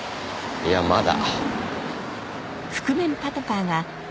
いやまだ。